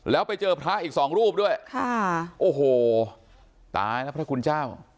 แล้วไปเจอพระอีกสองรูปด้วยค่ะโอ้โหตายแล้วพระคุณเจ้า